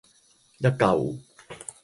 一舊